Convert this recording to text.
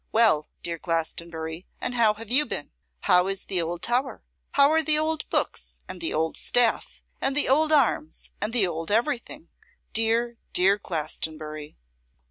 Well, dear Glastonbury, and how have you been? How is the old tower? How are the old books, and the old staff, and the old arms, and the old everything? Dear, dear Glastonbury!